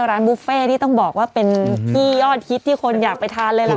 ร้านบุฟเฟ่นี่ต้องบอกว่าเป็นที่ยอดฮิตที่คนอยากไปทานเลยล่ะค่ะ